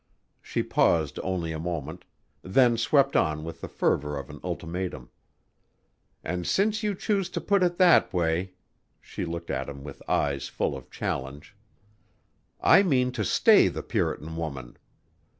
She paused only a moment, then swept on with the fervor of an ultimatum. "And since you choose to put it that way," she looked at him with eyes full of challenge, "I mean to stay the puritan woman.